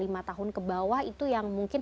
kata bahasanya pen orok noor kita nyam benih